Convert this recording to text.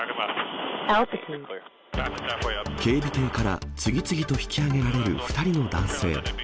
警備艇から次々と引き上げられる２人の男性。